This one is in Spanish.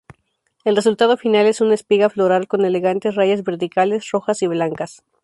El resultado final es una espiga floral con elegantes rayas verticales rojas y blancas.